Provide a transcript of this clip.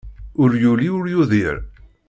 Ur yuli, ur yudir.